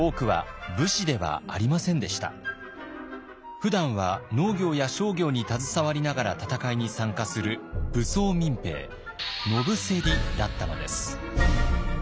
ふだんは農業や商業に携わりながら戦いに参加する武装民兵野伏だったのです。